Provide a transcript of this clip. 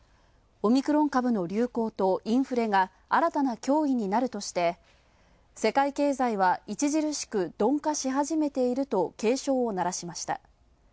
オミクロン株の流行とインフレが新たな脅威になるとして、世界経済は著しく鈍化し始めていると警鐘を鳴らしました。